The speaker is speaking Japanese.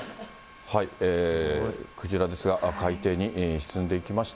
クジラですが、海底に沈んでいきました。